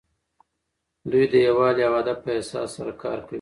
دوی د یووالي او هدف په احساس سره کار کوي.